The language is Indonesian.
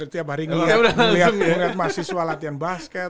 setiap hari ngeliat ngeliat mahasiswa latihan basket